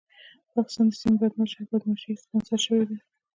پاکستان د سيمې بدمعاش دی او بدمعاشي يې سپانسر شوې ده.